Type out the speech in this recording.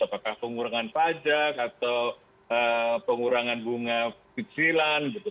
apakah pengurangan pajak atau pengurangan bunga kecilan gitu